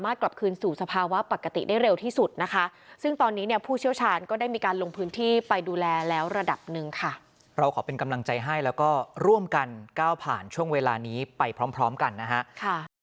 เราร่วมกันก้าวผ่านช่วงเวลานี้ไปพร้อมกันนะฮะ